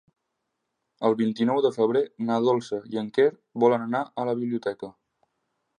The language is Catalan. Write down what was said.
El vint-i-nou de febrer na Dolça i en Quer volen anar a la biblioteca.